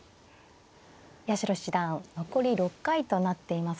八代七段残り６回となっています。